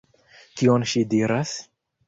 Kion ŝi diras?